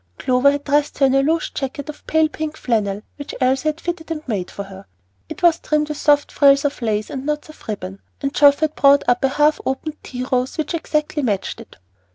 Clover had dressed her in a loose jacket of pale pink flannel which Elsie had fitted and made for her; it was trimmed with soft frills of lace, and knots of ribbon, and Geoff had brought up a half opened tea rose which exactly matched it.